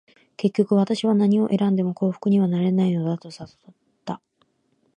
結局、私は何を選んでも幸福にはなれないのだと悟った。